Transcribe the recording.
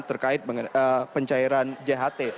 terkait pencairan jahat